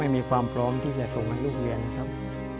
มีความพร้อมที่จะส่งให้ลูกเรียนครับ